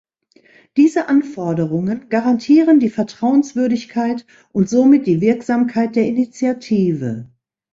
Diese Anforderungen garantieren die Vertrauenswürdigkeit und somit die Wirksamkeit der Initiative.